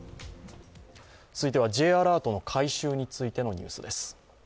続いてはＪアラートの改修についてのニュースです。